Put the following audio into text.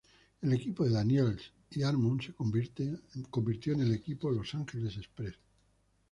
El equipo de Daniels y Harmon se convirtió en el equipo Los Angeles Express.